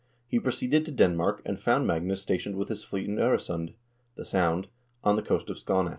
He proceeded to Denmark, and found Magnus stationed with his fleet in 0resund (the Sound), on the coast of Skane.